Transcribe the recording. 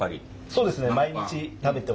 そうですね。